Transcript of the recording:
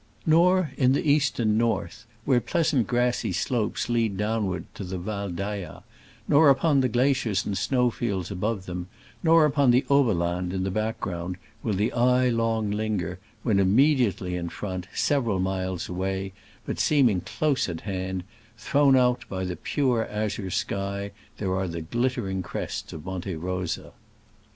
Nor in the east and north, where pleasant grassy slopes lead down ward to the Val d'Ayas, nor upon the glaciers and snow fields above them, nor upon the Oberland in the back ground, will the eye long linger, when immediately in front, several miles away, but seeming close at hand, thrown out by the pure azure sky, there are the glit tering crests of Monte Rosa.